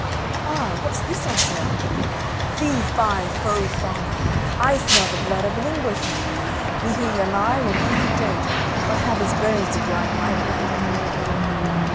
Ah what's this I smell? Fee fi fo fum, I smell the blood of an Englishman, Be he alive, or be he dead I'll have his bones to grind my bread."